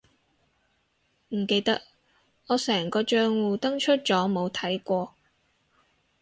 唔記得，我成個帳戶登出咗冇睇過